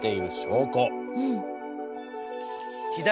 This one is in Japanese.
うん。